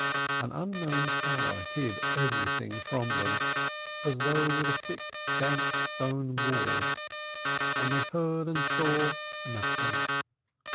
An unknown power hid everything from them as though with a thick, damp, stone wall, and they heard and saw nothing.